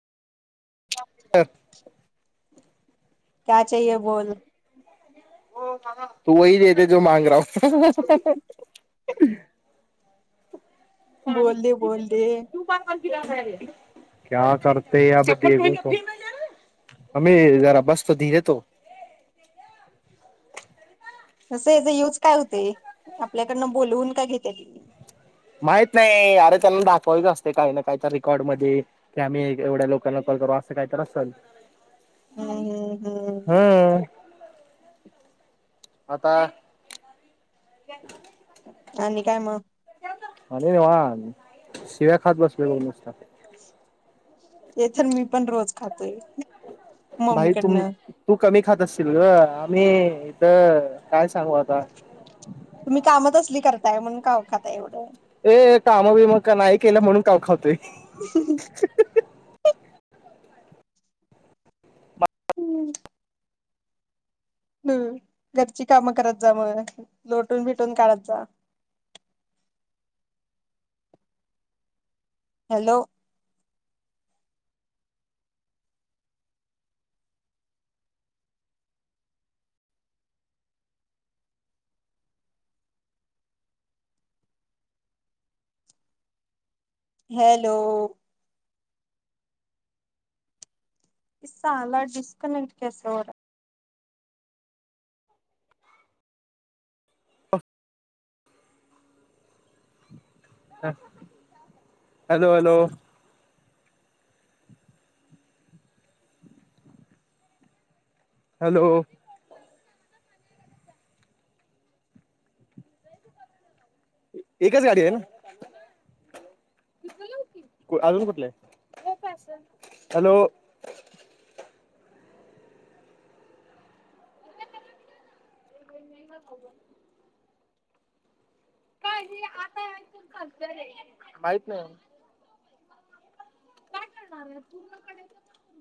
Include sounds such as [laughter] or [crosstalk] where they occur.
पर का चेहीये बोल तू वही देे- दे जो मांग रहा हु. [inaudible] अंह. बोल दे बोल दे क्या करते या ब किसिको अमी जरा बस तो धीरे तो. तसं याच युज काय होते, आपल्याकडनं बोलवून का घेत त्यात ती. माहित नाही अरे त्यांना दाखवायच असते काही ना काही तर रेकॉर्ड मध्ये कि आम्ही एवढ्या लोकांना कॉल करू असं काही तर असल. हम्म हम्म ह हम्म ह. आता. आणि काय मग. आणि आ शिव्या खात बसले मस्त. येथे मी पण रोज खातोय. भाई तुम, मम्मीकडनं तू कमी खात असशील ग आम्ही. इथ काय सांगू आता. तुम्ही काम त असली करताय म्हणून का खाताय एवढं. ए काम बीम का नाही केलं म्हणून काव खावतोय [inaudible] हम्म. ह घरची कामं करत जा मग लोटून भेटून काढत जा. हॅलो, हॅलो ओ, ऐ साला डस्कनेक्ट कसे हो र. ह ह हॅलो हॅलो. हॅलो एकच गाडी आहे ना अजून कुठलं हॅलो ंगब का आ माहित नाही काय करणार आहे पूर्णकणे